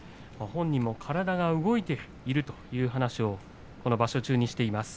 本人も体が動いているという話をこの場所中にしています。